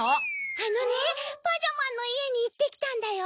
あのねパジャマンのいえにいってきたんだよ。